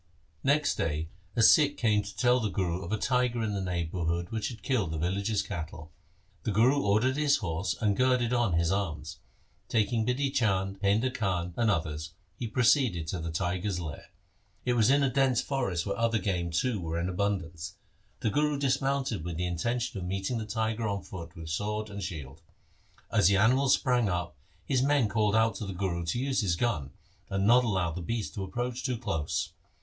Next day a Sikh came to tell the Guru of a tiger in the neighbourhood which had killed the villagers' cattle. The Guru ordered his horse and girded on his arms. Taking Bidhi Chand, Painda Khan, and others, he proceeded to the tiger's lair. It was in a dense forest where other game too were in abun dance. The Guru dismounted with the intention of meeting the tiger on foot with sword and shield. As the animal sprang up, his men called out to the Guru to use his gun, and not allow the beast to approach too close.